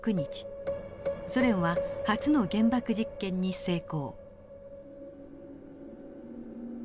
ソ連は初の原爆実験に成功。